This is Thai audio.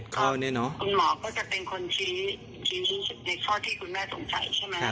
๑๑ข้อเนี่ยเนอะ